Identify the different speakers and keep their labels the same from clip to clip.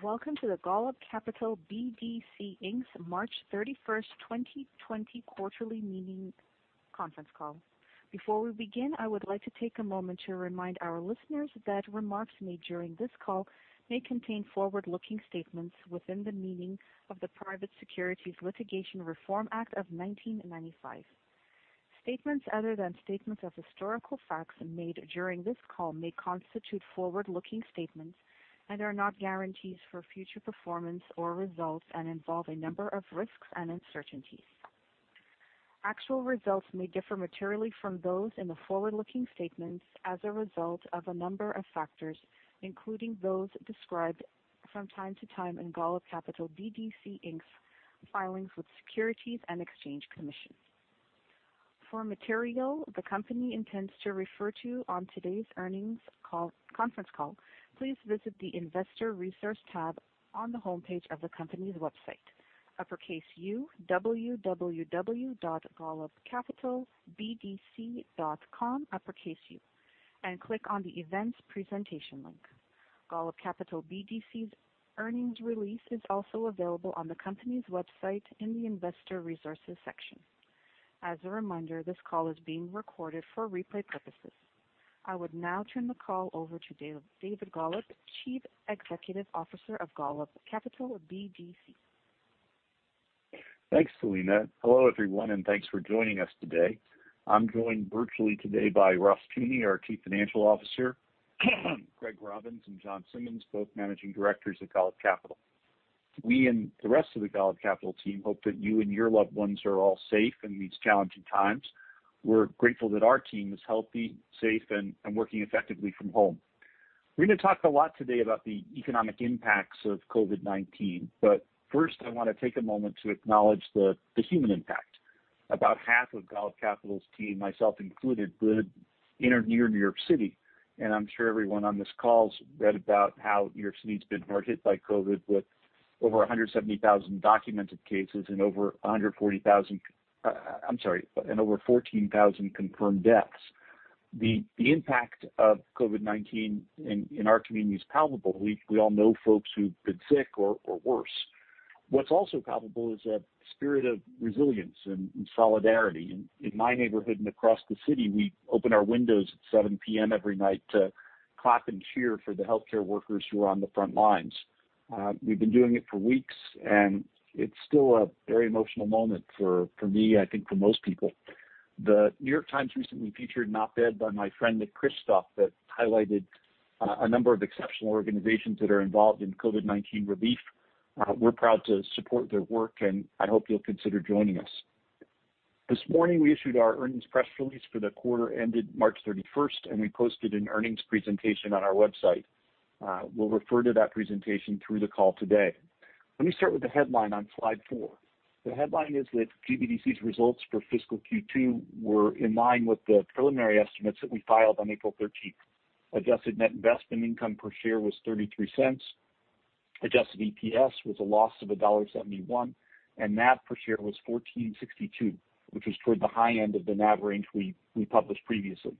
Speaker 1: Welcome to the Golub Capital BDC, Inc.'s March 31st, 2020, quarterly meeting conference call. Before we begin, I would like to take a moment to remind our listeners that remarks made during this call may contain forward-looking statements within the meaning of the Private Securities Litigation Reform Act of 1995. Statements other than statements of historical facts made during this call may constitute forward-looking statements and are not guarantees for future performance or results and involve a number of risks and uncertainties. Actual results may differ materially from those in the forward-looking statements as a result of a number of factors, including those described from time to time in Golub Capital BDC, Inc.'s filings with Securities and Exchange Commission. For material the company intends to refer to on today's earnings conference call, please visit the investor resource tab on the homepage of the company's website, www.golubcapitalbdc.com, and click on the events presentation link. Golub Capital BDC's earnings release is also available on the company's website in the investor resources section. As a reminder, this call is being recorded for replay purposes. I would now turn the call over to David Golub, Chief Executive Officer of Golub Capital BDC.
Speaker 2: Thanks, Selena. Hello, everyone, and thanks for joining us today. I'm joined virtually today by Ross Teune, our Chief Financial Officer, Gregory Robbins and Jon Simmons, both Managing Directors at Golub Capital. We and the rest of the Golub Capital team hope that you and your loved ones are all safe in these challenging times. We're grateful that our team is healthy, safe, and working effectively from home. We're going to talk a lot today about the economic impacts of COVID-19. First, I want to take a moment to acknowledge the human impact. About half of Golub Capital's team, myself included, live in or near New York City, and I'm sure everyone on this call's read about how New York City's been hard hit by COVID, with over 170,000 documented cases and over 14,000 confirmed deaths. The impact of COVID-19 in our community is palpable. We all know folks who've been sick or worse. What's also palpable is a spirit of resilience and solidarity. In my neighborhood and across the city, we open our windows at 7:00 P.M. every night to clap and cheer for the healthcare workers who are on the front lines. We've been doing it for weeks, it's still a very emotional moment for me, I think for most people. The New York Times recently featured an op-ed by my friend Nicholas Kristof that highlighted a number of exceptional organizations that are involved in COVID-19 relief. We're proud to support their work, I hope you'll consider joining us. This morning, we issued our earnings press release for the quarter ended March 31st, we posted an earnings presentation on our website. We'll refer to that presentation through the call today. Let me start with the headline on slide four. The headline is that GBDC's results for fiscal Q2 were in line with the preliminary estimates that we filed on April 13th. Adjusted net investment income per share was $0.33, adjusted EPS was a loss of $1.71, and NAV per share was $14.62, which was toward the high end of the NAV range we published previously.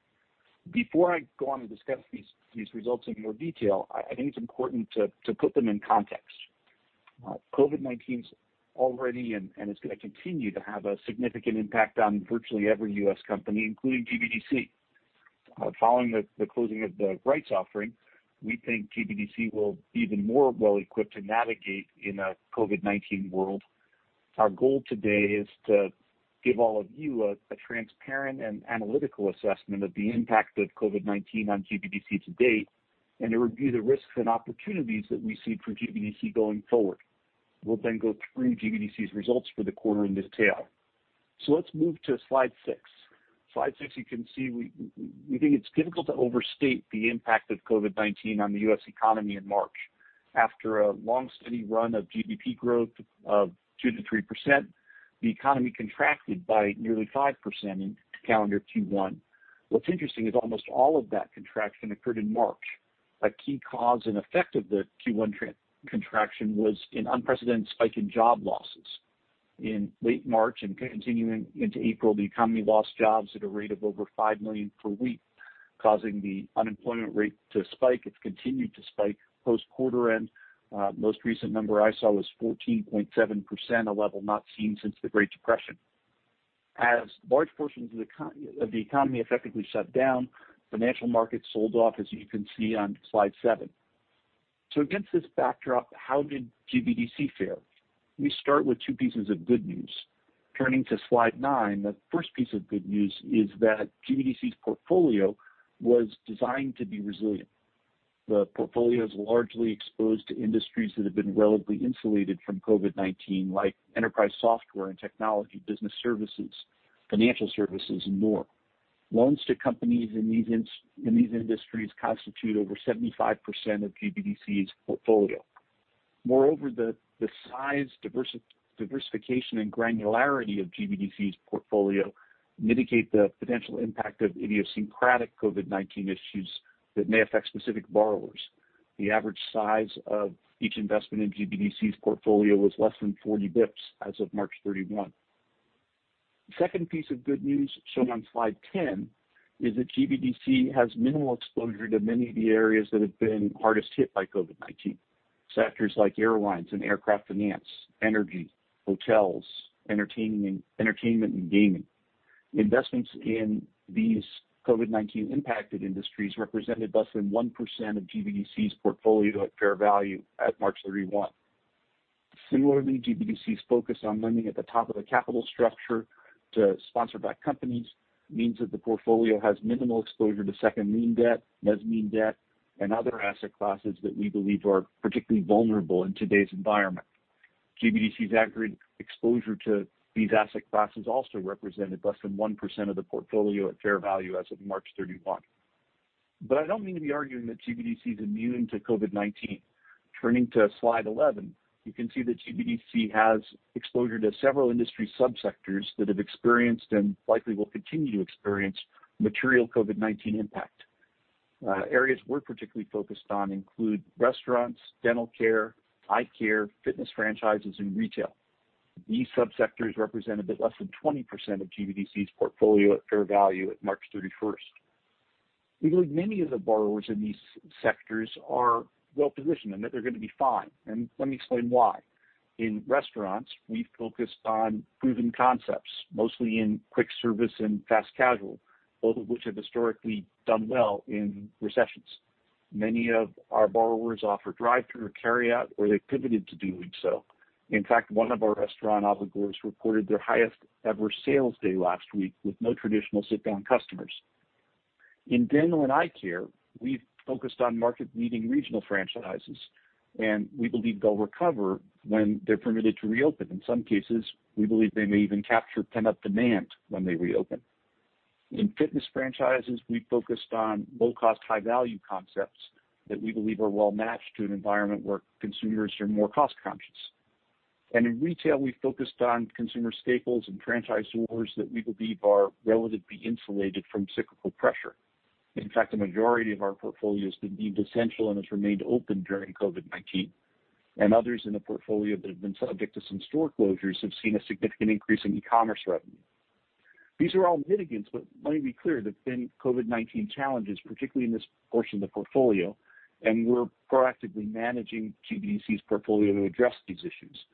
Speaker 2: Before I go on to discuss these results in more detail, I think it's important to put them in context. COVID-19's already and is going to continue to have a significant impact on virtually every U.S. company, including GBDC. Following the closing of the rights offering, we think GBDC will be even more well-equipped to navigate in a COVID-19 world. Our goal today is to give all of you a transparent and analytical assessment of the impact of COVID-19 on GBDC to date, to review the risks and opportunities that we see for GBDC going forward. We'll go through GBDC's results for the quarter in detail. Let's move to slide six. Slide six, you can see we think it's difficult to overstate the impact of COVID-19 on the U.S. economy in March. After a long, steady run of GDP growth of 2%-3%, the economy contracted by nearly 5% in calendar Q1. What's interesting is almost all of that contraction occurred in March. A key cause and effect of the Q1 contraction was an unprecedented spike in job losses. In late March and continuing into April, the economy lost jobs at a rate of over 5 million per week, causing the unemployment rate to spike. It's continued to spike post-quarter end. Most recent number I saw was 14.7%, a level not seen since the Great Depression. As large portions of the economy effectively shut down, financial markets sold off, as you can see on slide seven. Against this backdrop, how did GBDC fare? Let me start with two pieces of good news. Turning to slide nine, the first piece of good news is that GBDC's portfolio was designed to be resilient. The portfolio is largely exposed to industries that have been relatively insulated from COVID-19, like enterprise software and technology, business services, financial services, and more. Loans to companies in these industries constitute over 75% of GBDC's portfolio. Moreover, the size, diversification, and granularity of GBDC's portfolio mitigate the potential impact of idiosyncratic COVID-19 issues that may affect specific borrowers. The average size of each investment in GBDC's portfolio was less than 40 basis points as of March 31. Second piece of good news shown on slide 10 is that GBDC has minimal exposure to many of the areas that have been hardest hit by COVID-19. Sectors like airlines and aircraft finance, energy, hotels, entertainment, and gaming. Investments in these COVID-19-impacted industries represented less than 1% of GBDC's portfolio at fair value at March 31. Similarly, GBDC's focus on lending at the top of the capital structure to sponsor-backed companies means that the portfolio has minimal exposure to second lien debt, mezzanine debt, and other asset classes that we believe are particularly vulnerable in today's environment. GBDC's aggregate exposure to these asset classes also represented less than 1% of the portfolio at fair value as of March 31. I don't mean to be arguing that GBDC is immune to COVID-19. Turning to slide 11, you can see that GBDC has exposure to several industry sub-sectors that have experienced and likely will continue to experience material COVID-19 impact. Areas we're particularly focused on include restaurants, dental care, eye care, fitness franchises, and retail. These sub-sectors represent a bit less than 20% of GBDC's portfolio at fair value at March 31st. We believe many of the borrowers in these sectors are well-positioned and that they're going to be fine, and let me explain why. In restaurants, we've focused on proven concepts, mostly in quick service and fast casual, both of which have historically done well in recessions. Many of our borrowers offer drive-through or carryout, or they've pivoted to doing so. In fact, one of our restaurant obligors reported their highest-ever sales day last week with no traditional sit-down customers. In dental and eye care, we've focused on market-leading regional franchises, and we believe they'll recover when they're permitted to reopen. In some cases, we believe they may even capture pent-up demand when they reopen. In fitness franchises, we've focused on low-cost, high-value concepts that we believe are well-matched to an environment where consumers are more cost-conscious. In retail, we've focused on consumer staples and franchise owners that we believe are relatively insulated from cyclical pressure. In fact, a majority of our portfolio is deemed essential and has remained open during COVID-19. Others in the portfolio that have been subject to some store closures have seen a significant increase in e-commerce revenue. These are all mitigants, but let me be clear: there have been COVID-19 challenges, particularly in this portion of the portfolio, and we're proactively managing GBDC's portfolio to address these issues.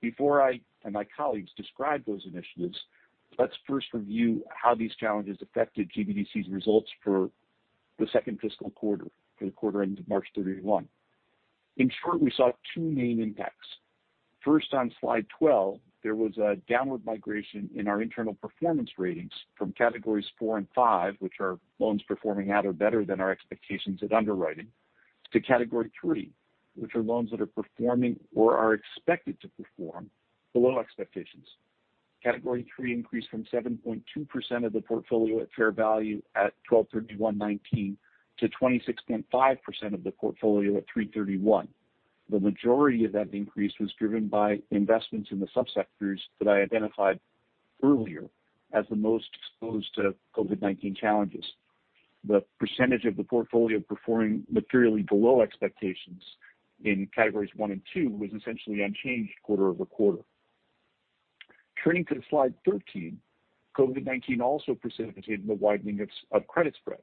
Speaker 2: Before I and my colleagues describe those initiatives, let's first review how these challenges affected GBDC's results for the second fiscal quarter for the quarter ending March 31. In short, we saw two main impacts. First, on slide 12, there was a downward migration in our internal performance ratings from categories 4 and 5, which are loans performing at or better than our expectations at underwriting, to category 3, which are loans that are performing or are expected to perform below expectations. Category 3 increased from 7.2% of the portfolio at fair value at 12/31/2019 to 26.5% of the portfolio at 3/31/2020. The majority of that increase was driven by investments in the sub-sectors that I identified earlier as the most exposed to COVID-19 challenges. The percentage of the portfolio performing materially below expectations in categories 1 and 2 was essentially unchanged quarter-over-quarter. Turning to slide 13, COVID-19 also precipitated the widening of credit spreads.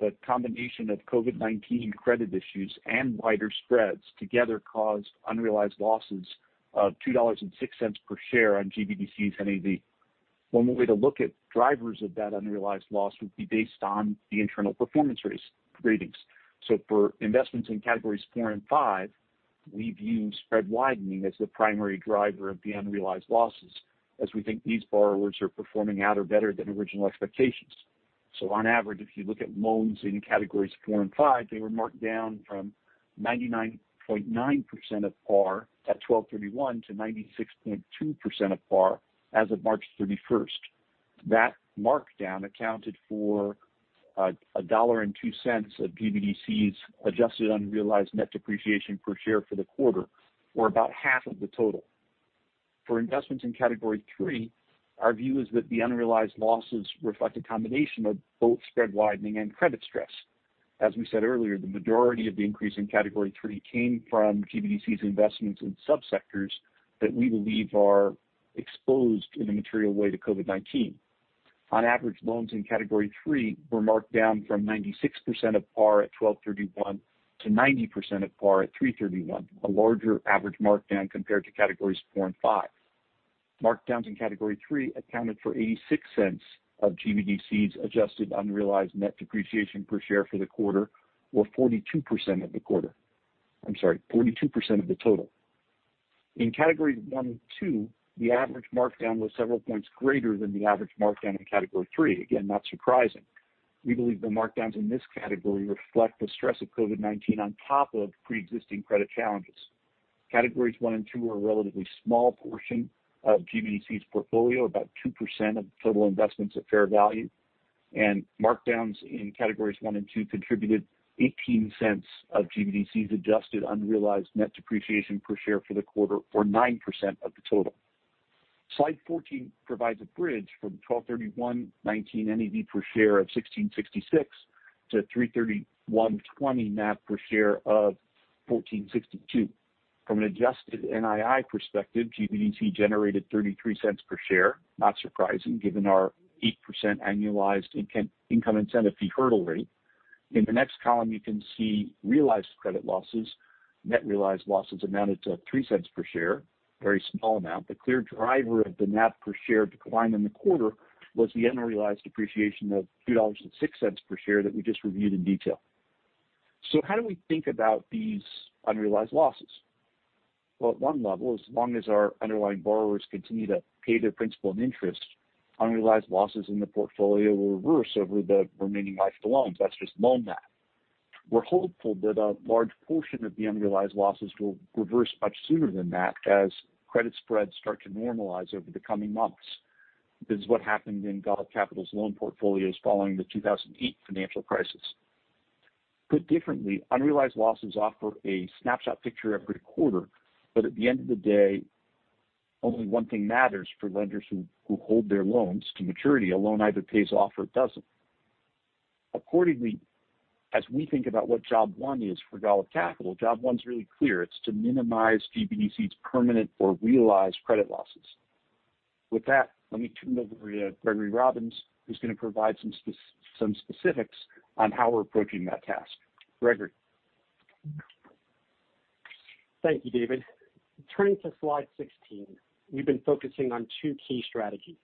Speaker 2: That combination of COVID-19 credit issues and wider spreads together caused unrealized losses of $2.06 per share on GBDC's NAV. One way to look at drivers of that unrealized loss would be based on the internal performance ratings. For investments in categories 4 and 5, we view spread widening as the primary driver of the unrealized losses, as we think these borrowers are performing at or better than original expectations. On average, if you look at loans in categories 4 and 5, they were marked down from 99.9% of par at 12/31/2019 to 96.2% of par as of March 31st. That markdown accounted for $1.02 of GBDC's adjusted unrealized net depreciation per share for the quarter, or about half of the total. For investments in category 3, our view is that the unrealized losses reflect a combination of both spread widening and credit stress. As we said earlier, the majority of the increase in category 3 came from GBDC's investments in sub-sectors that we believe are exposed in a material way to COVID-19. On average, loans in category 3 were marked down from 96% of par at 12/31 to 90% of par at 3/31/2020, a larger average markdown compared to categories 4 and 5. Markdowns in category 3 accounted for $0.86 of GBDC's adjusted unrealized net depreciation per share for the quarter, or 42% of the quarter. I'm sorry, 42% of the total. In categories 1 and 2, the average markdown was several points greater than the average markdown in category 3. Again, not surprising. We believe the markdowns in this category reflect the stress of COVID-19 on top of preexisting credit challenges. Categories 1 and 2 are a relatively small portion of GBDC's portfolio, about 2% of total investments at fair value, and markdowns in categories 1 and 2 contributed $0.18 of GBDC's adjusted unrealized net depreciation per share for the quarter, or 9% of the total. Slide 14 provides a bridge from 12/31/2019 NAV per share of $16.66 to 3/31/2020 NAV per share of $14.62. From an adjusted NII perspective, GBDC generated $0.33 per share. Not surprising given our 8% annualized income incentive fee hurdle rate. In the next column, you can see realized credit losses. Net realized losses amounted to $0.03 per share, a very small amount. The clear driver of the net per share decline in the quarter was the unrealized appreciation of $2.06 per share that we just reviewed in detail. How do we think about these unrealized losses? Well, at one level, as long as our underlying borrowers continue to pay their principal and interest, unrealized losses in the portfolio will reverse over the remaining life of the loans. That's just loan math. We're hopeful that a large portion of the unrealized losses will reverse much sooner than that as credit spreads start to normalize over the coming months. This is what happened in Golub Capital's loan portfolios following the 2008 financial crisis. Put differently, unrealized losses offer a snapshot picture every quarter, but at the end of the day, only one thing matters for lenders who hold their loans to maturity. A loan either pays off or it doesn't. Accordingly, as we think about what job one is for Golub Capital, job one's really clear. It's to minimize GBDC's permanent or realized credit losses. With that, let me turn it over to Gregory Robbins, who's going to provide some specifics on how we're approaching that task. Gregory
Speaker 3: Thank you, David. Turning to slide 16. We've been focusing on two key strategies.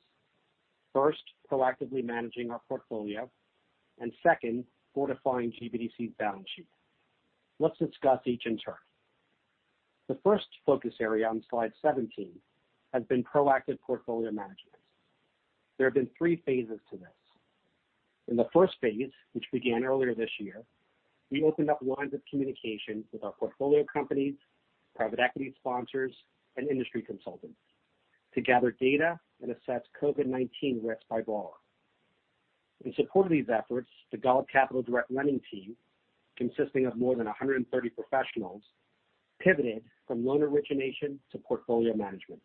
Speaker 3: First, proactively managing our portfolio, and second, fortifying GBDC's balance sheet. Let's discuss each in turn. The first focus area on slide 17 has been proactive portfolio management. There have been three phases to this. In the first phase, which began earlier this year, we opened up lines of communication with our portfolio companies, private equity sponsors, and industry consultants to gather data and assess COVID-19 risks by borrower. In support of these efforts, the Golub Capital direct lending team, consisting of more than 130 professionals, pivoted from loan origination to portfolio management.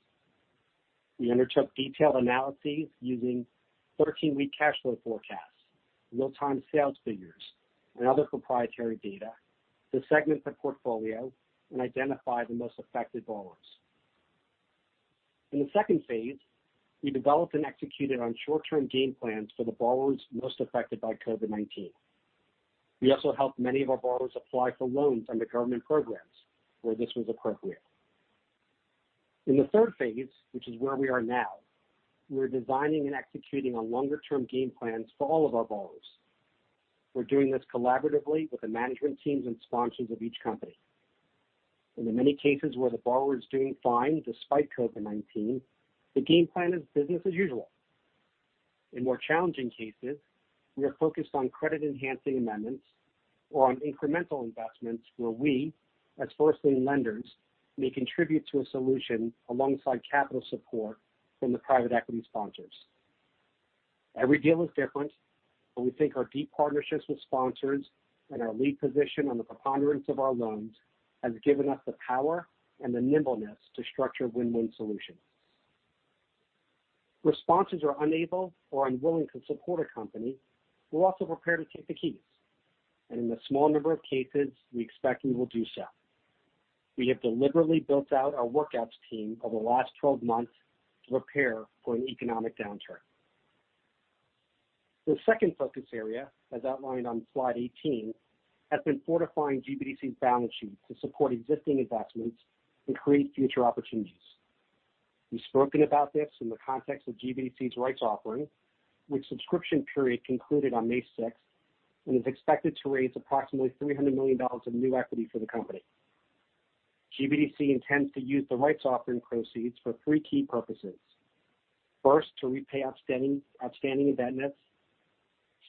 Speaker 3: We undertook detailed analyses using 13-week cash flow forecasts, real-time sales figures, and other proprietary data to segment the portfolio and identify the most affected borrowers. In the second phase, we developed and executed on short-term game plans for the borrowers most affected by COVID-19. We also helped many of our borrowers apply for loans under government programs where this was appropriate. In the third phase, which is where we are now, we're designing and executing on longer-term game plans for all of our borrowers. We're doing this collaboratively with the management teams and sponsors of each company. In many cases where the borrower is doing fine despite COVID-19, the game plan is business as usual. In more challenging cases, we are focused on credit-enhancing amendments or on incremental investments where we, as first lien lenders, may contribute to a solution alongside capital support from the private equity sponsors. Every deal is different, we think our deep partnerships with sponsors and our lead position on the preponderance of our loans has given us the power and the nimbleness to structure win-win solutions. Where sponsors are unable or unwilling to support a company, we're also prepared to take the keys, and in a small number of cases, we expect we will do so. We have deliberately built out our workouts team over the last 12 months to prepare for an economic downturn. The second focus area, as outlined on slide 18, has been fortifying GBDC's balance sheet to support existing investments and create future opportunities. We've spoken about this in the context of GBDC's rights offering, which subscription period concluded on May 6th and is expected to raise approximately $300 million of new equity for the company. GBDC intends to use the rights offering proceeds for three key purposes. First, to repay outstanding indebtedness.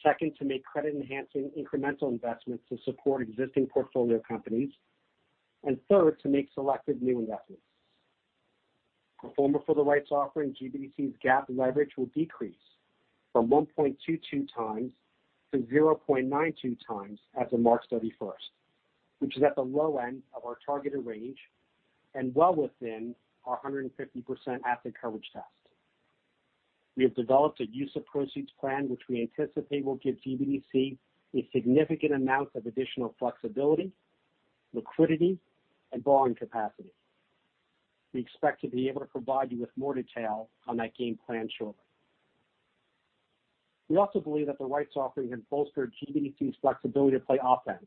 Speaker 3: Second, to make credit-enhancing incremental investments to support existing portfolio companies. Third, to make selective new investments. Pro forma for the rights offering, GBDC's GAAP leverage will decrease from 1.22 times to 0.92 times as of March 31st, which is at the low end of our targeted range and well within our 130% asset coverage test. We have developed a use of proceeds plan which we anticipate will give GBDC a significant amount of additional flexibility, liquidity, and borrowing capacity. We expect to be able to provide you with more detail on that game plan shortly. We also believe that the rights offering has bolstered GBDC's flexibility to play offense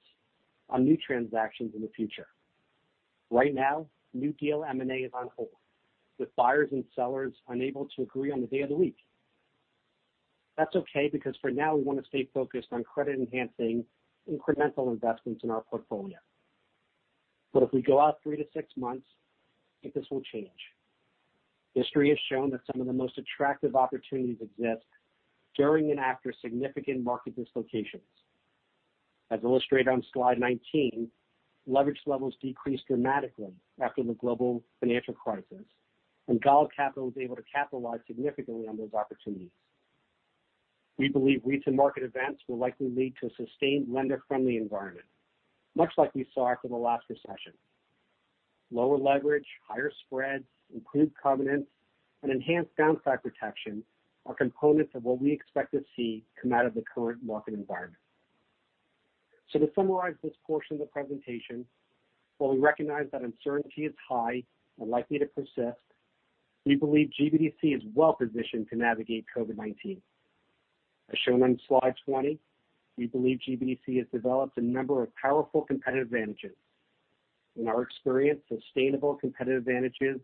Speaker 3: on new transactions in the future. Right now, new deal M&A is on hold, with buyers and sellers unable to agree on the day of the week. That's okay because for now, we want to stay focused on credit-enhancing incremental investments in our portfolio. If we go out three to six months, I think this will change. History has shown that some of the most attractive opportunities exist during and after significant market dislocations. As illustrated on slide 19, leverage levels decreased dramatically after the global financial crisis, and Golub Capital was able to capitalize significantly on those opportunities. We believe recent market events will likely lead to a sustained lender-friendly environment, much like we saw after the last recession. Lower leverage, higher spreads, improved covenants, and enhanced downside protection are components of what we expect to see come out of the current market environment. To summarize this portion of the presentation, while we recognize that uncertainty is high and likely to persist, we believe GBDC is well-positioned to navigate COVID-19. As shown on slide 20, we believe GBDC has developed a number of powerful competitive advantages. In our experience, sustainable competitive advantages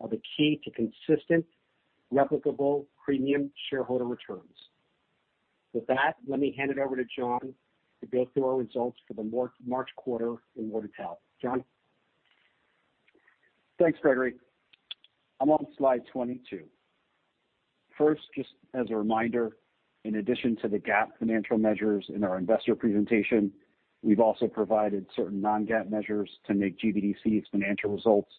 Speaker 3: are the key to consistent, replicable premium shareholder returns. With that, let me hand it over to Joh to go through our results for the March quarter in more detail. Joh?
Speaker 4: Thanks, Gregory. I'm on slide 22. First, just as a reminder, in addition to the GAAP financial measures in our investor presentation, we've also provided certain non-GAAP measures to make GBDC's financial results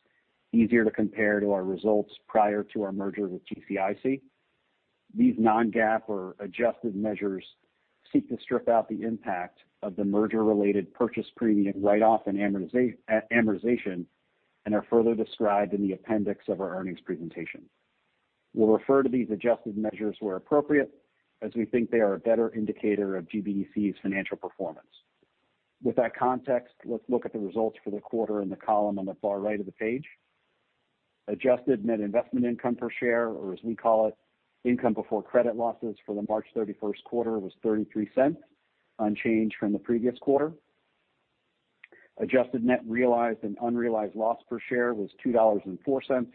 Speaker 4: easier to compare to our results prior to our merger with GCIC. These non-GAAP or adjusted measures seek to strip out the impact of the merger-related purchase premium write-off and amortization, are further described in the appendix of our earnings presentation. We'll refer to these adjusted measures where appropriate, as we think they are a better indicator of GBDC's financial performance. With that context, let's look at the results for the quarter in the column on the far right of the page. Adjusted net investment income per share, or as we call it, income before credit losses for the March 31st quarter was $0.33, unchanged from the previous quarter. Adjusted net realized and unrealized loss per share was $2.04.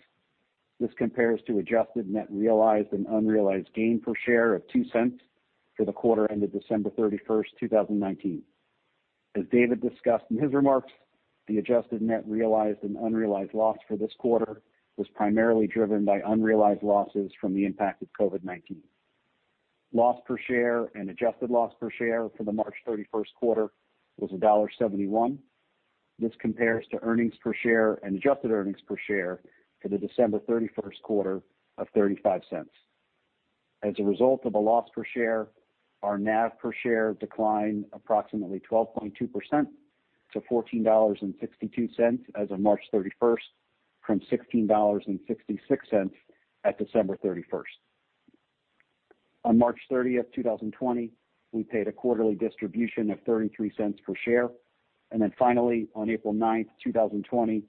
Speaker 4: This compares to adjusted net realized and unrealized gain per share of $0.02 for the quarter ended December 31st, 2019. As David discussed in his remarks, the adjusted net realized and unrealized loss for this quarter was primarily driven by unrealized losses from the impact of COVID-19. Loss per share and adjusted loss per share for the March 31st quarter was $1.71. This compares to earnings per share and adjusted earnings per share for the December 31st quarter of $0.35. As a result of a loss per share, our NAV per share declined approximately 12.2% to $14.62 as of March 31st, from $16.66 at December 31st. On March 30th, 2020, we paid a quarterly distribution of $0.33 per share. Finally, on April 9th 2020,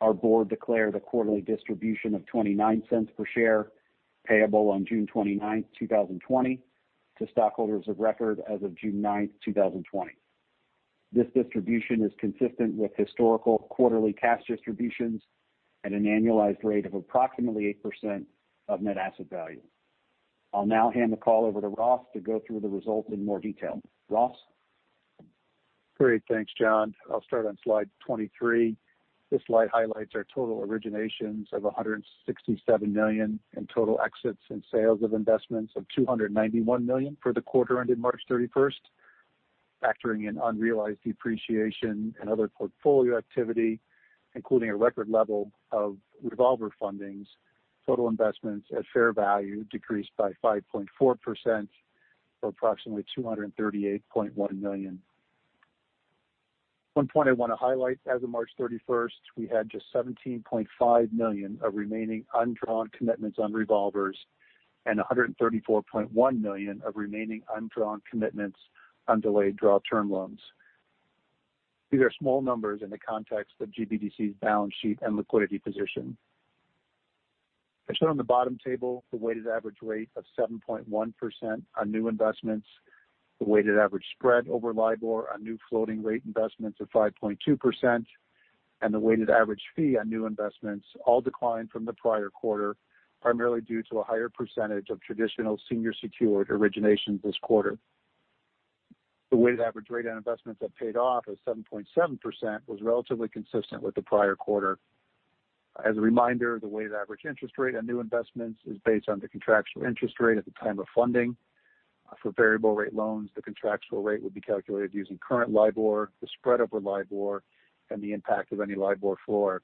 Speaker 4: our board declared a quarterly distribution of $0.29 per share payable on June 29th 2020 to stockholders of record as of June 9th 2020. This distribution is consistent with historical quarterly cash distributions at an annualized rate of approximately 8% of net asset value. I'll now hand the call over to Ross to go through the results in more detail. Ross?
Speaker 5: Great. Thanks, John. I'll start on slide 23. This slide highlights our total originations of $167 million in total exits and sales of investments of $291 million for the quarter ended March 31st. Factoring in unrealized depreciation and other portfolio activity, including a record level of revolver fundings, total investments at fair value decreased by 5.4%, or approximately $238.1 million. One point I want to highlight, as of March 31st, we had just $17.5 million of remaining undrawn commitments on revolvers and $134.1 million of remaining undrawn commitments on delayed draw term loans. These are small numbers in the context of GBDC's balance sheet and liquidity position. As shown on the bottom table, the weighted average rate of 7.1% on new investments, the weighted average spread over LIBOR on new floating rate investments of 5.2%, and the weighted average fee on new investments all declined from the prior quarter, primarily due to a higher percentage of traditional senior secured originations this quarter. The weighted average rate on investments that paid off of 7.7% was relatively consistent with the prior quarter. As a reminder, the weighted average interest rate on new investments is based on the contractual interest rate at the time of funding. For variable rate loans, the contractual rate would be calculated using current LIBOR, the spread over LIBOR, and the impact of any LIBOR floor.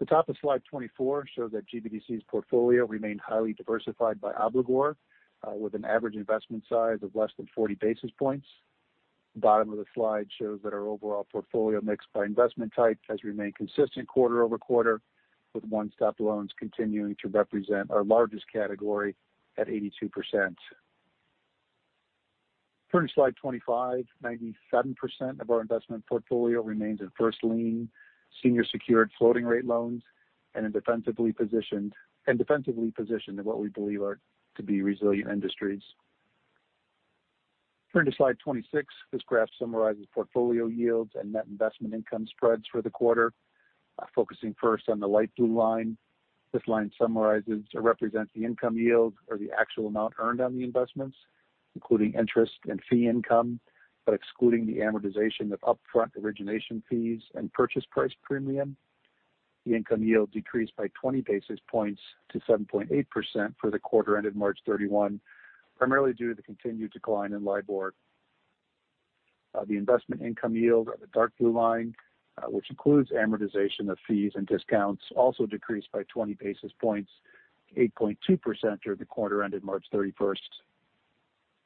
Speaker 5: The top of slide 24 shows that GBDC's portfolio remained highly diversified by obligor, with an average investment size of less than 40 basis points. Bottom of the slide shows that our overall portfolio mix by investment type has remained consistent quarter-over-quarter, with one-stop loans continuing to represent our largest category at 82%. Turning to slide 25, 97% of our investment portfolio remains in first lien senior secured floating rate loans, and defensively positioned in what we believe to be resilient industries. Turning to slide 26, this graph summarizes portfolio yields and net investment income spreads for the quarter. Focusing first on the light blue line, this line summarizes or represents the income yield or the actual amount earned on the investments, including interest and fee income, but excluding the amortization of upfront origination fees and purchase price premium. The income yield decreased by 20 basis points to 7.8% for the quarter ended March 31, primarily due to the continued decline in LIBOR. The investment income yield or the dark blue line, which includes amortization of fees and discounts, also decreased by 20 basis points to 8.2% through the quarter ended March 31st.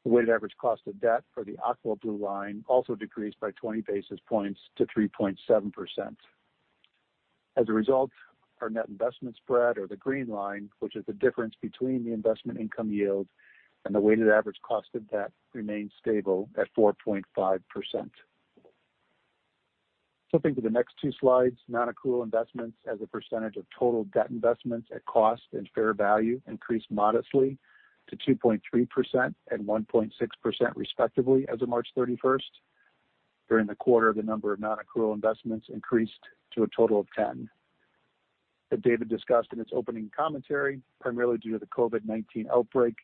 Speaker 5: The weighted average cost of debt for the aqua blue line also decreased by 20 basis points to 3.7%. As a result, our net investment spread, or the green line, which is the difference between the investment income yield and the weighted average cost of debt, remains stable at 4.5%. Jumping to the next two slides, non-accrual investments as a percentage of total debt investments at cost and fair value increased modestly to 2.3% and 1.6% respectively as of March 31st. During the quarter, the number of non-accrual investments increased to a total of 10. As David discussed in his opening commentary, primarily due to the COVID-19 outbreak,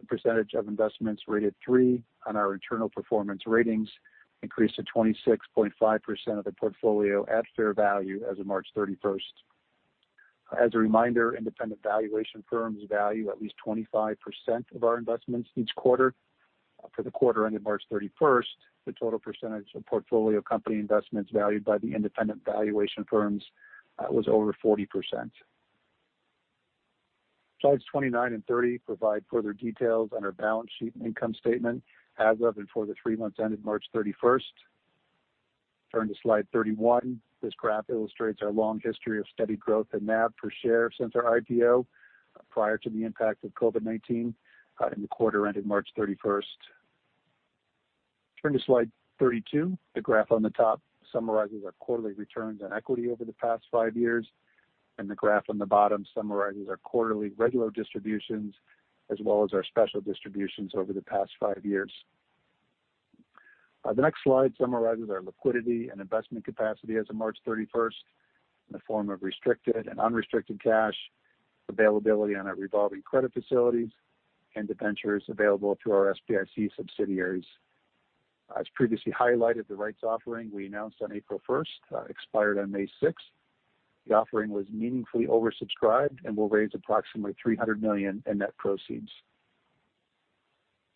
Speaker 5: the percentage of investments rated three on our internal performance ratings increased to 26.5% of the portfolio at fair value as of March 31st. As a reminder, independent valuation firms value at least 25% of our investments each quarter. For the quarter ended March 31st, the total percentage of portfolio company investments valued by the independent valuation firms was over 40%. Slides 29 and 30 provide further details on our balance sheet and income statement as of and for the three months ended March 31st. Turn to slide 31. This graph illustrates our long history of steady growth in NAV per share since our IPO prior to the impact of COVID-19 in the quarter ended March 31st. Turn to slide 32. The graph on the top summarizes our quarterly returns on equity over the past five years, and the graph on the bottom summarizes our quarterly regular distributions, as well as our special distributions over the past five years. The next slide summarizes our liquidity and investment capacity as of March 31st in the form of restricted and unrestricted cash, availability on our revolving credit facilities, and debentures available through our SBIC subsidiaries. As previously highlighted, the rights offering we announced on April 1st expired on May 6th. The offering was meaningfully oversubscribed and will raise approximately $300 million in net proceeds.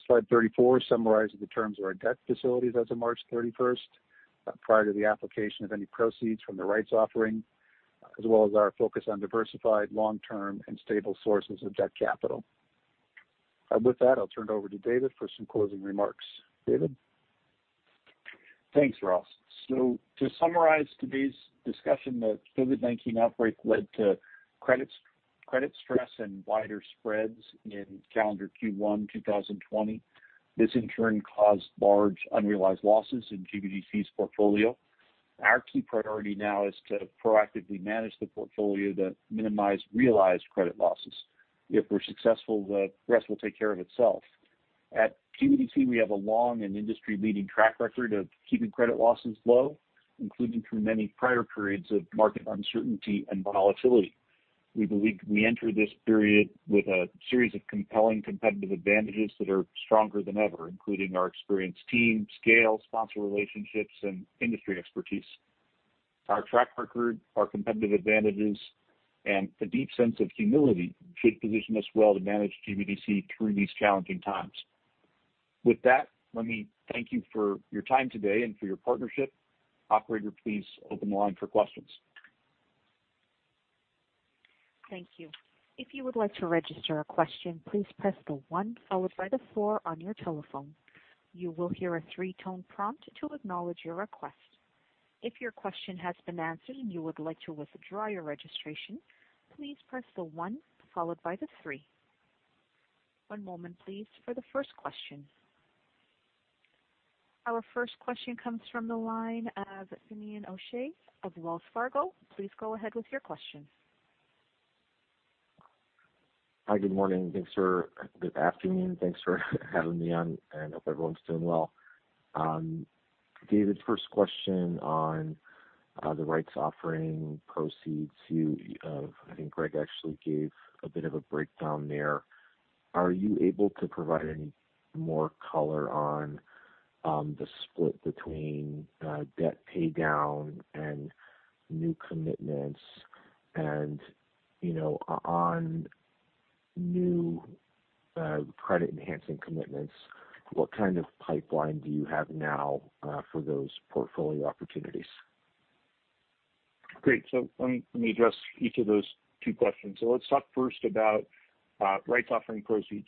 Speaker 5: Slide 34 summarizes the terms of our debt facilities as of March 31st, prior to the application of any proceeds from the rights offering, as well as our focus on diversified, long-term, and stable sources of debt capital. With that, I'll turn it over to David for some closing remarks. David?
Speaker 2: Thanks, Ross. To summarize today's discussion, the COVID-19 outbreak led to credit stress and wider spreads in calendar Q1 2020. This in turn caused large unrealized losses in GBDC's portfolio. Our key priority now is to proactively manage the portfolio to minimize realized credit losses. If we're successful, the rest will take care of itself. At GBDC, we have a long and industry-leading track record of keeping credit losses low, including through many prior periods of market uncertainty and volatility. We believe we enter this period with a series of compelling competitive advantages that are stronger than ever, including our experienced team, scale, sponsor relationships, and industry expertise. Our track record, our competitive advantages, and a deep sense of humility should position us well to manage GBDC through these challenging times. With that, let me thank you for your time today and for your partnership. Operator, please open the line for questions.
Speaker 1: Thank you. If you would like to register a question, please press the one followed by the four on your telephone. You will hear a three-tone prompt to acknowledge your request. If your question has been answered and you would like to withdraw your registration, please press the one followed by the three. One moment please for the first question. Our first question comes from the line of Finian O'Shea of Wells Fargo. Please go ahead with your question.
Speaker 6: Hi, good morning. Good afternoon. Thanks for having me on, and I hope everyone's doing well. David, first question on the rights offering proceeds. I think Greg actually gave a bit of a breakdown there. Are you able to provide any more color on the split between debt paydown and new commitments and, on new credit enhancing commitments, what kind of pipeline do you have now for those portfolio opportunities?
Speaker 2: Great. Let me address each of those two questions. Let's talk first about rights offering proceeds.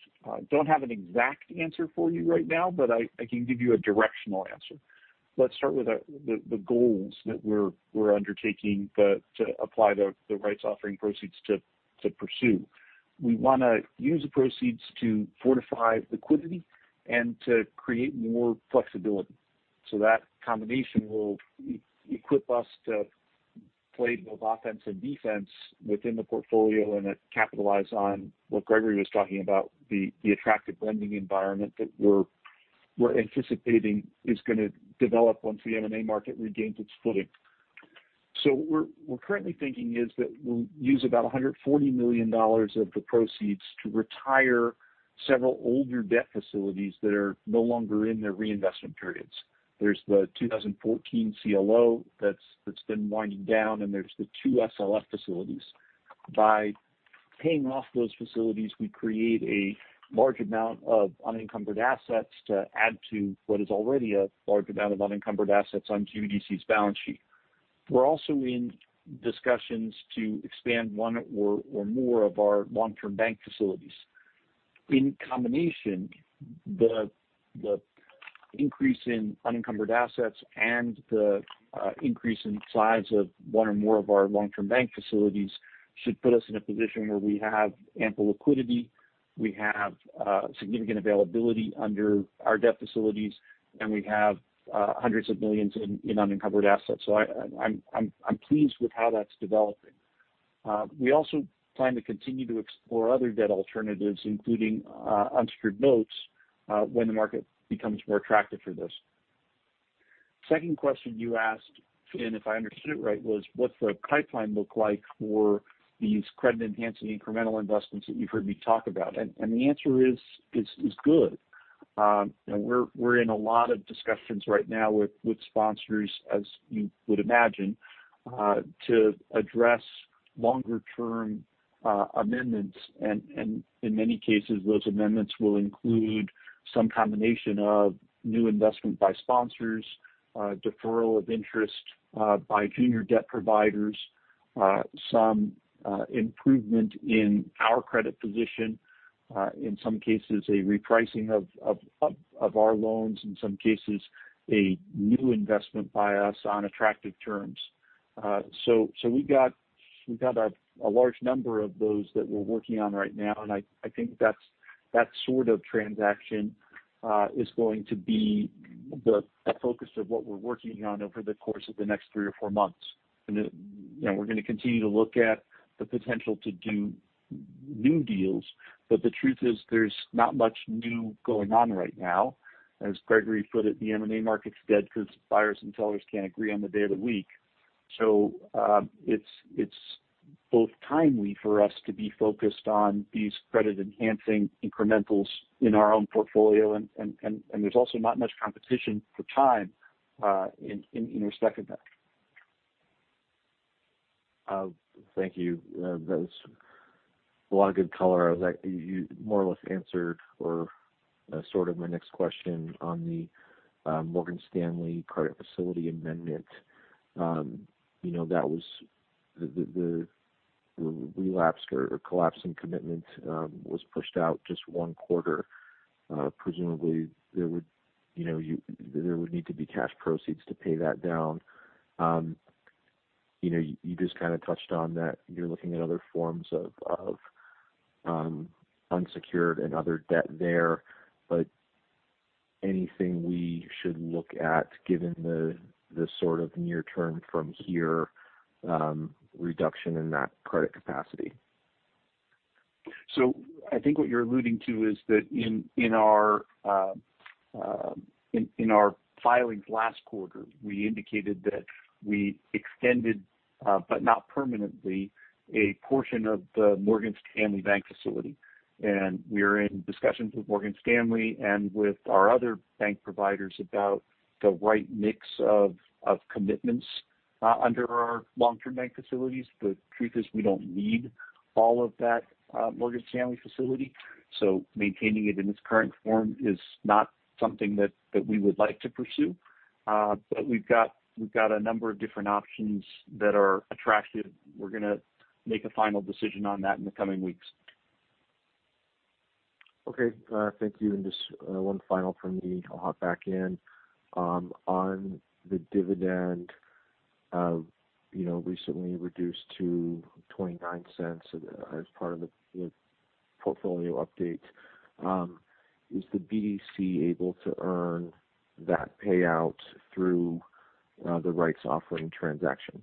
Speaker 2: Don't have an exact answer for you right now, but I can give you a directional answer. Let's start with the goals that we're undertaking to apply the rights offering proceeds to pursue. We want to use the proceeds to fortify liquidity and to create more flexibility. That combination will equip us to play both offense and defense within the portfolio and capitalize on what Gregory was talking about, the attractive lending environment that we're anticipating is going to develop once the M&A market regains its footing. What we're currently thinking is that we'll use about $140 million of the proceeds to retire several older debt facilities that are no longer in their reinvestment periods. There's the 2014 CLO that's been winding down, and there's the two SLF facilities. By paying off those facilities, we create a large amount of unencumbered assets to add to what is already a large amount of unencumbered assets on GBDC's balance sheet. We're also in discussions to expand one or more of our long-term bank facilities. In combination, the increase in unencumbered assets and the increase in size of one or more of our long-term bank facilities should put us in a position where we have ample liquidity, we have significant availability under our debt facilities, and we have hundreds of millions in unencumbered assets. I'm pleased with how that's developing. We also plan to continue to explore other debt alternatives, including unsecured notes, when the market becomes more attractive for this. Second question you asked, Finn, if I understood it right, was what's the pipeline look like for these credit-enhancing incremental investments that you've heard me talk about? The answer is good. We're in a lot of discussions right now with sponsors, as you would imagine, to address longer-term amendments. In many cases, those amendments will include some combination of new investment by sponsors, deferral of interest by junior debt providers, some improvement in our credit position, in some cases, a repricing of our loans, in some cases, a new investment by us on attractive terms. We've got a large number of those that we're working on right now, and I think that sort of transaction is going to be the focus of what we're working on over the course of the next three or four months. We're going to continue to look at the potential to do new deals. The truth is, there's not much new going on right now. As Gregory put it, the M&A market's dead because buyers and sellers can't agree on the day of the week. It's both timely for us to be focused on these credit-enhancing incrementals in our own portfolio. There's also not much competition for time in our second act.
Speaker 6: Thank you. That was a lot of good color. You more or less answered my next question on the Morgan Stanley credit facility amendment. The relapsed or collapsing commitment was pushed out just one quarter. Presumably, there would need to be cash proceeds to pay that down. You just kind of touched on that you're looking at other forms of unsecured and other debt there. Anything we should look at given the sort of near term from here reduction in that credit capacity?
Speaker 2: I think what you're alluding to is that in our filings last quarter, we indicated that we extended, but not permanently, a portion of the Morgan Stanley bank facility. We're in discussions with Morgan Stanley and with our other bank providers about the right mix of commitments under our long-term bank facilities. The truth is, we don't need all of that Morgan Stanley facility. Maintaining it in its current form is not something that we would like to pursue. We've got a number of different options that are attractive. We're going to make a final decision on that in the coming weeks.
Speaker 6: Okay. Thank you. Just one final from me. I'll hop back in. On the dividend recently reduced to $0.29 as part of the portfolio update. Is the BDC able to earn that payout through the rights offering transaction?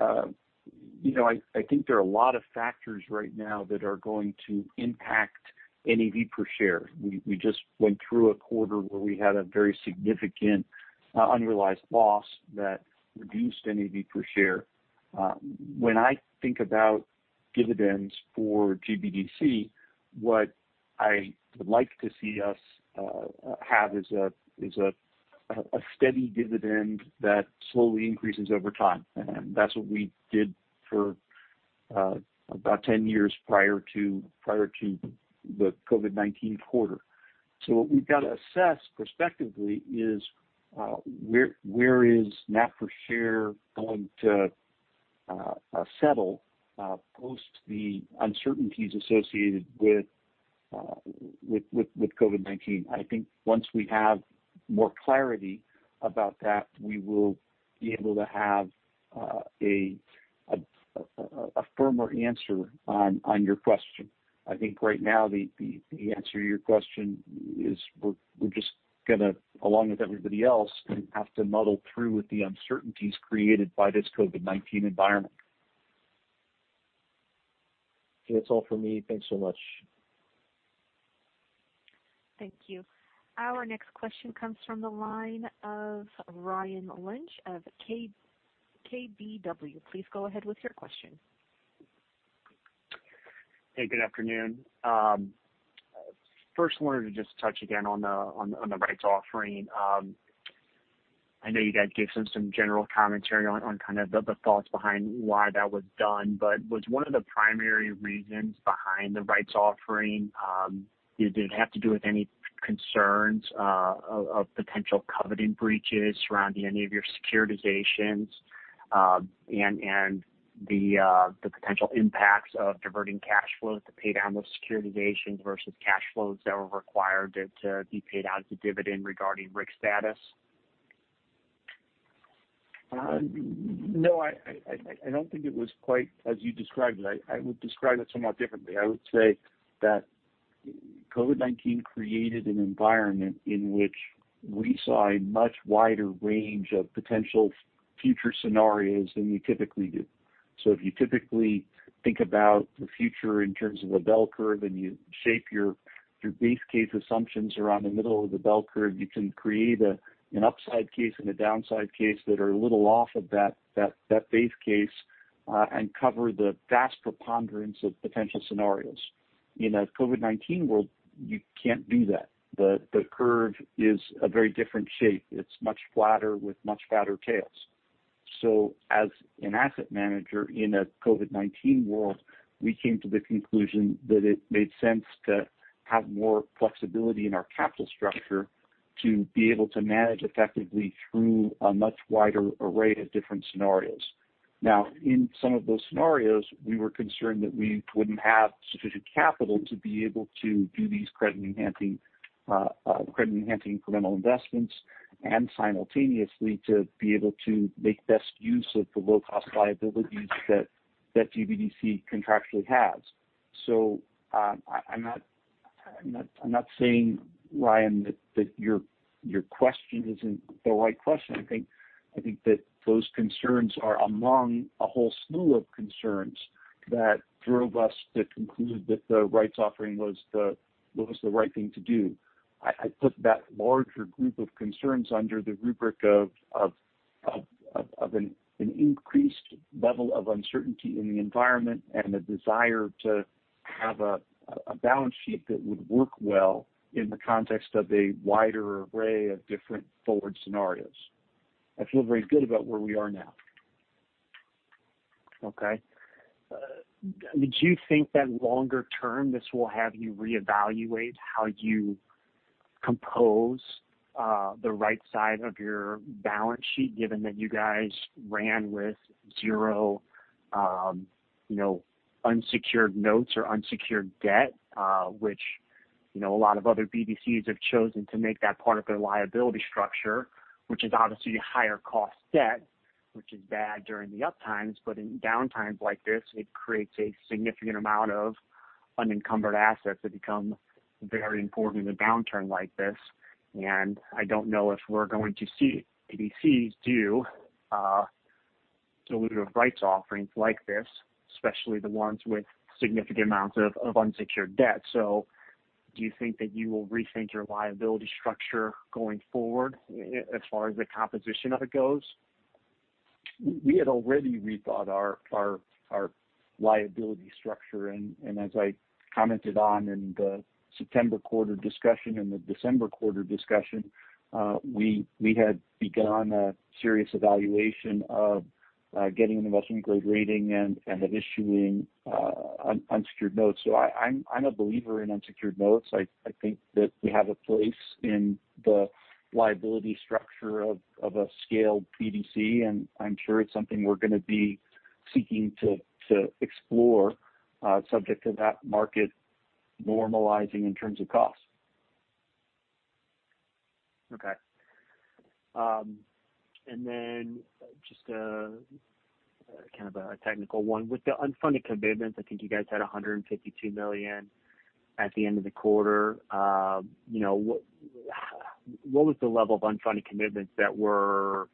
Speaker 2: I think there are a lot of factors right now that are going to impact NAV per share. We just went through a quarter where we had a very significant unrealized loss that reduced NAV per share. When I think about dividends for GBDC, what I would like to see us have is a steady dividend that slowly increases over time. That's what we did for about 10 years prior to the COVID-19 quarter. What we've got to assess prospectively is where is NAV per share going to settle post the uncertainties associated with COVID-19? I think once we have more clarity about that, we will be able to have a firmer answer on your question. I think right now the answer to your question is we're just going to, along with everybody else, have to muddle through with the uncertainties created by this COVID-19 environment.
Speaker 6: That's all for me. Thanks so much.
Speaker 1: Thank you. Our next question comes from the line of Ryan Lynch of KBW. Please go ahead with your question.
Speaker 7: Hey, good afternoon. First wanted to just touch again on the rights offering. I know you guys gave some general commentary on kind of the thoughts behind why that was done. Was one of the primary reasons behind the rights offering? Did it have to do with any concerns of potential covenant breaches surrounding any of your securitizations? The potential impacts of diverting cash flows to pay down those securitizations versus cash flows that were required to be paid out as a dividend regarding RIC status?
Speaker 2: No, I don't think it was quite as you described it. I would describe it somewhat differently. I would say that COVID-19 created an environment in which we saw a much wider range of potential future scenarios than we typically do. If you typically think about the future in terms of a bell curve, and you shape your base case assumptions around the middle of the bell curve, you can create an upside case and a downside case that are a little off of that base case, and cover the vast preponderance of potential scenarios. In a COVID-19 world, you can't do that. The curve is a very different shape. It's much flatter with much fatter tails. As an asset manager in a COVID-19 world, we came to the conclusion that it made sense to have more flexibility in our capital structure to be able to manage effectively through a much wider array of different scenarios. In some of those scenarios, we were concerned that we wouldn't have sufficient capital to be able to do these credit-enhancing incremental investments, and simultaneously, to be able to make best use of the low-cost liabilities that GBDC contractually has. I'm not saying, Ryan, that your question isn't the right question. I think that those concerns are among a whole slew of concerns that drove us to conclude that the rights offering was the right thing to do. I put that larger group of concerns under the rubric of an increased level of uncertainty in the environment and a desire to have a balance sheet that would work well in the context of a wider array of different forward scenarios. I feel very good about where we are now.
Speaker 7: Okay. Do you think that longer term, this will have you reevaluate how you compose the right side of your balance sheet, given that you guys ran with zero unsecured notes or unsecured debt? Which, a lot of other BDCs have chosen to make that part of their liability structure. Which is obviously higher cost debt, which is bad during the up times, but in down times like this, it creates a significant amount of unencumbered assets that become very important in a downturn like this. I don't know if we're going to see BDCs do dilutive rights offerings like this, especially the ones with significant amounts of unsecured debt. Do you think that you will rethink your liability structure going forward, as far as the composition of it goes?
Speaker 2: We had already rethought our liability structure, and as I commented on in the September quarter discussion and the December quarter discussion, we had begun a serious evaluation of getting an investment-grade rating and of issuing unsecured notes. I'm a believer in unsecured notes. I think that they have a place in the liability structure of a scaled BDC, and I'm sure it's something we're going to be seeking to explore, subject to that market normalizing in terms of cost.
Speaker 7: Okay. Just kind of a technical one. With the unfunded commitments, I think you guys had $152 million at the end of the quarter. What was the level of unfunded commitments that were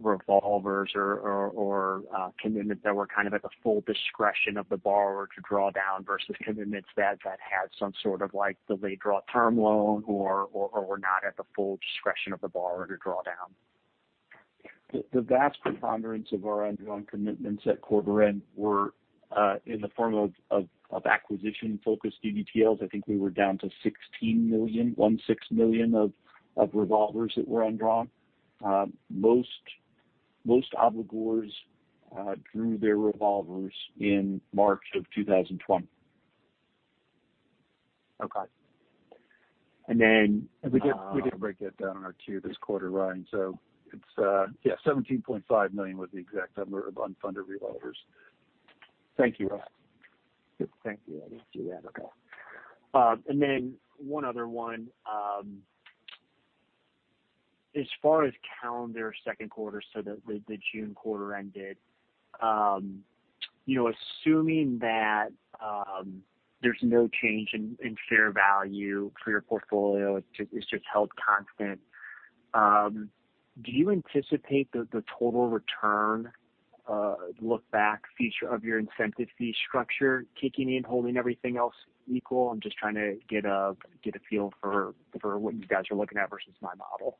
Speaker 7: revolvers or commitments that were kind of at the full discretion of the borrower to draw down, versus commitments that had some sort of delayed draw term loan or were not at the full discretion of the borrower to draw down?
Speaker 2: The vast preponderance of our undrawn commitments at quarter end were in the form of acquisition-focused DDTLs. I think we were down to $16 million, 16 million of revolvers that were undrawn. Most obligors drew their revolvers in March of 2020.
Speaker 7: Okay.
Speaker 3: We did break that down in our Q this quarter, Ryan. Yeah, $17.5 million was the exact number of unfunded revolvers.
Speaker 7: Thank you, Robbins.
Speaker 2: Thank you. I didn't see that. Okay.
Speaker 7: One other one. As far as calendar second quarter, the June quarter ended. Assuming that there's no change in share value for your portfolio, it's just held constant. Do you anticipate the total return look back feature of your incentive fee structure kicking in, holding everything else equal? I'm just trying to get a feel for what you guys are looking at versus my model.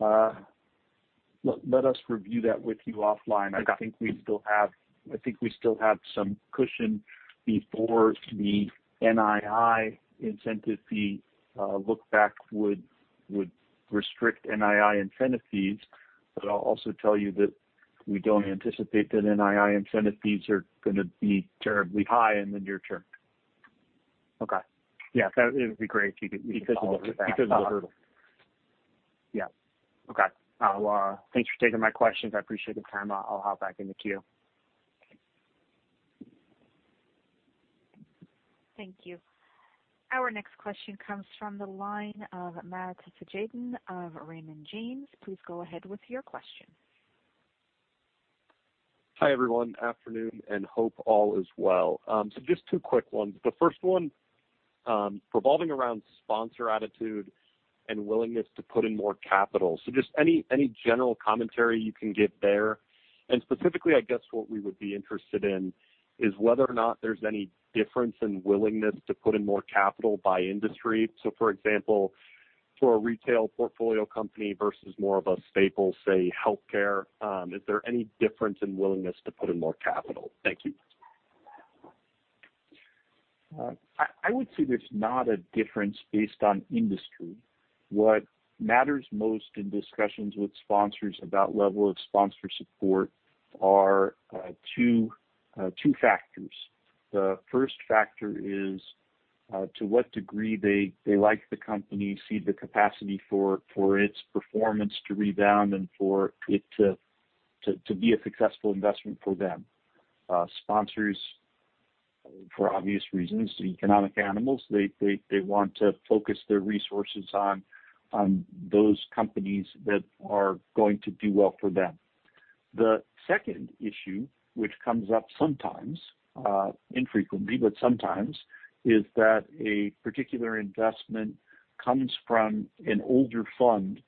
Speaker 2: Let us review that with you offline.
Speaker 7: Okay.
Speaker 2: I think we still have some cushion before the NII incentive fee look back would restrict NII incentive fees. I'll also tell you that we don't anticipate that NII incentive fees are going to be terribly high in the near term.
Speaker 7: Okay. Yeah, that would be great if you could follow up with that.
Speaker 2: Because of the hurdle.
Speaker 7: Yeah. Okay. Thanks for taking my questions. I appreciate the time. I'll hop back in the queue.
Speaker 1: Thank you. Our next question comes from the line of Matt Tjaden of Raymond James. Please go ahead with your question.
Speaker 8: Hi, everyone. Afternoon, hope all is well. Just two quick ones. The first one revolves around sponsor attitude and willingness to put in more capital. Just any general commentary you can give there? Specifically, I guess what we would be interested in is whether or not there's any difference in willingness to put in more capital by industry. For example, for a retail portfolio company versus more of a staple, say, healthcare. Is there any difference in willingness to put in more capital? Thank you.
Speaker 2: I would say there's not a difference based on industry. What matters most in discussions with sponsors about level of sponsor support are two factors. The first factor is to what degree they like the company, see the capacity for its performance to rebound and for it to be a successful investment for them. Sponsors, for obvious reasons, are economic animals. They want to focus their resources on those companies that are going to do well for them. The second issue, which comes up sometimes, infrequently, but sometimes, is that a particular investment comes from an older fund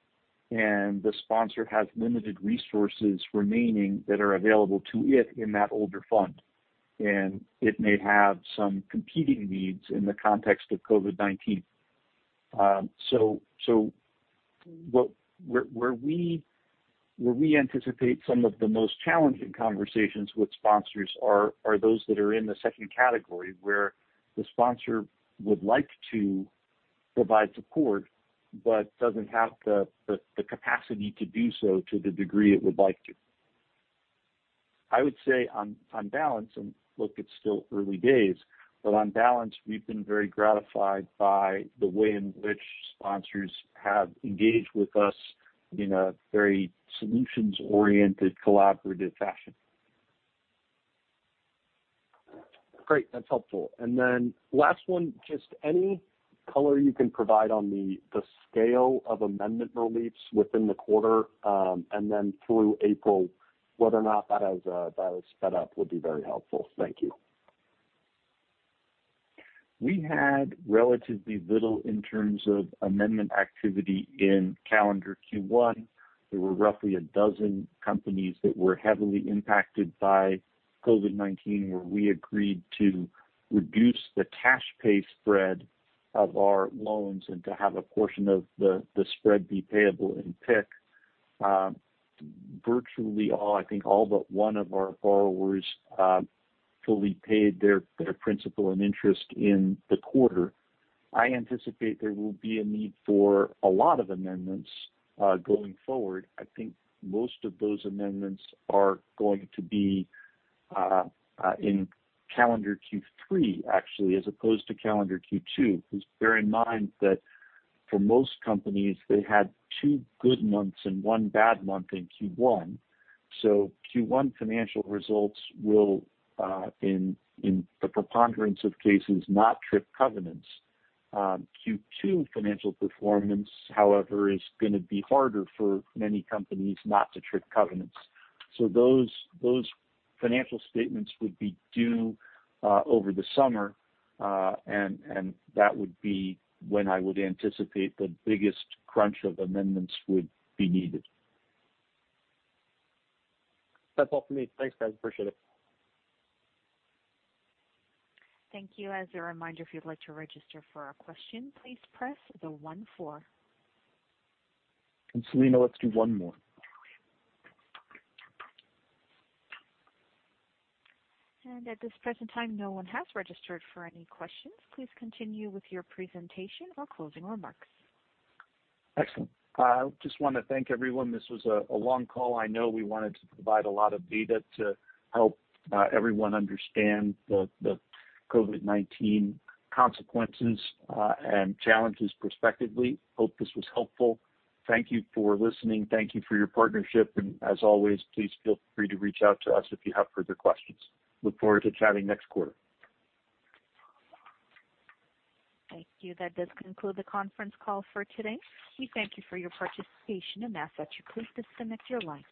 Speaker 2: and the sponsor has limited resources remaining that are available to it in that older fund. It may have some competing needs in the context of COVID-19. Where we anticipate some of the most challenging conversations with sponsors are those that are in the second category, where the sponsor would like to provide support but doesn't have the capacity to do so to the degree it would like to. I would say on balance, and look, it's still early days, but on balance, we've been very gratified by the way in which sponsors have engaged with us in a very solutions-oriented, collaborative fashion.
Speaker 8: Great. That's helpful. Last one, just any color you can provide on the scale of amendment reliefs within the quarter, and then through April, whether or not that has sped up would be very helpful. Thank you.
Speaker 2: We had relatively little in terms of amendment activity in calendar Q1. There were roughly 12 companies that were heavily impacted by COVID-19, where we agreed to reduce the cash pay spread of our loans and to have a portion of the spread be payable in PIK. Virtually all, I think all but one of our borrowers, fully paid their principal and interest in the quarter. I anticipate there will be a need for a lot of amendments going forward. I think most of those amendments are going to be in calendar Q3, actually, as opposed to calendar Q2. Bear in mind that for most companies, they had two good months and one bad month in Q1. Q1 financial results will, in the preponderance of cases, not trip covenants. Q2 financial performance, however, is going to be harder for many companies not to trip covenants. Those financial statements would be due over the summer. That would be when I would anticipate the biggest crunch of amendments would be needed.
Speaker 8: That's all for me. Thanks, guys. Appreciate it.
Speaker 1: Thank you. As a reminder, if you'd like to register for a question, please press the one four.
Speaker 2: Selena, let's do one more.
Speaker 1: At this present time, no one has registered for any questions. Please continue with your presentation or closing remarks.
Speaker 2: Excellent. I just want to thank everyone. This was a long call. I know we wanted to provide a lot of data to help everyone understand the COVID-19 consequences and challenges prospectively. Hope this was helpful. Thank you for listening. Thank you for your partnership, and as always, please feel free to reach out to us if you have further questions. Look forward to chatting next quarter.
Speaker 1: Thank you. That does conclude the conference call for today. We thank you for your participation and ask that you please disconnect your line.